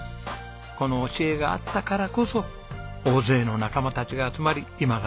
この教えがあったからこそ大勢の仲間たちが集まり今があるんです。